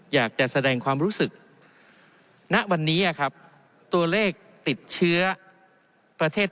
อยากจะแสดงความรู้สึกณวันนี้อะครับตัวเลขติดไทย